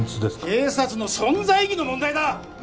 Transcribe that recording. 警察の存在意義の問題だ！